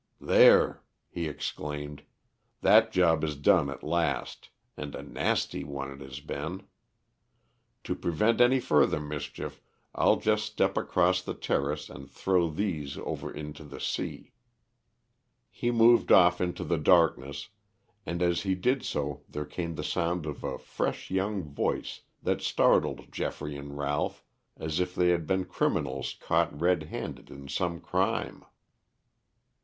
"There," he exclaimed, "that job is done at last, and a nasty one it has been. To prevent any further mischief I'll just step across the terrace and throw these over into the sea. He moved off into the darkness, and as he did so there came the sound of a fresh young voice that startled Geoffrey and Ralph as if they had been criminals caught red handed in some crime.